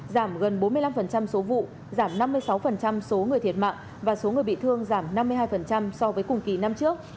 giảm gần bốn mươi năm số vụ giảm năm mươi sáu số người thiệt mạng và số người bị thương giảm năm mươi hai so với cùng kỳ năm trước